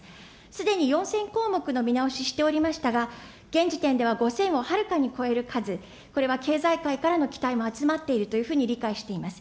すでに４０００項目の見直ししておりましたが、現時点では５０００をはるかに超える数、これは経済界からの期待も集まっているというふうに理解しています。